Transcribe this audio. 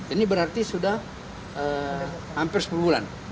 ini berarti sudah hampir sepuluh bulan